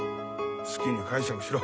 好きに解釈しろ。